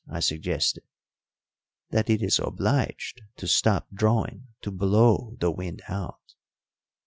I suggested. "That it is obliged to stop drawing to blow the wind out.